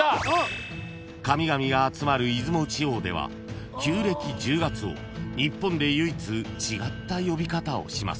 ［神々が集まる出雲地方では旧暦１０月を日本で唯一違った呼び方をします］